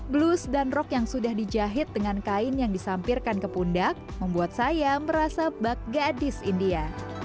blus dan rok yang sudah dijahit dengan kain yang disampirkan ke pundak membuat saya merasa bag gadis india